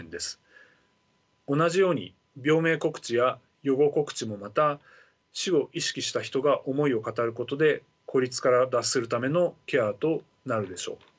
同じように病名告知や予後告知もまた死を意識した人が思いを語ることで孤立から脱するためのケアとなるでしょう。